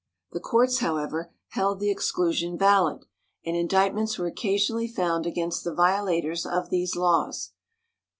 The courts, however, held the exclusion valid, and indictments were occasionally found against the violators of these laws.